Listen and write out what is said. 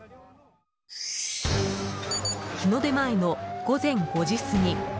日の出前の午前５時すぎ。